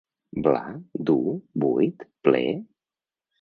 Bla? dur? buit? ple?